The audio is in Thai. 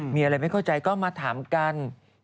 มีอะไรไม่เข้าใจก็มาถามกัน